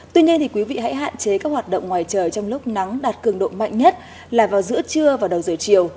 tuy nhiên thì quý vị hãy hạn chế các hoạt động ngoài trời trong lúc nắng đạt cường độ mạnh nhất là vào giữa trưa và đầu giờ chiều